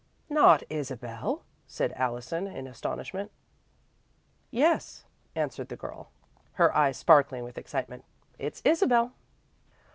"Not Isabel," said Allison, in astonishment. "Yes," answered the girl, her eyes sparkling with excitement, "it's Isabel."